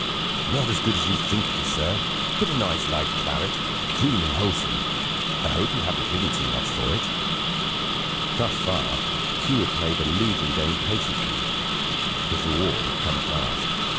"Not so good as you think it, sir. But nice light claret; clean and wholesome. I hope you haven't given too much for it?" Thus far, Hugh had played a losing game patiently. His reward had come at last.